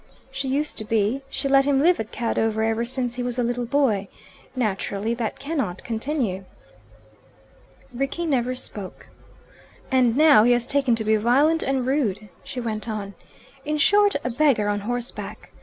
"She used to be. She let him live at Cadover ever since he was a little boy. Naturally that cannot continue." Rickie never spoke. "And now he has taken to be violent and rude," she went on. "In short, a beggar on horseback.